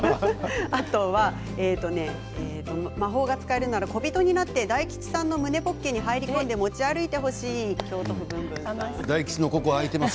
あとは魔法が使えるなら小人になって大吉さんの胸ポケット入り込んで持ち歩いてほしい京都府の方からです。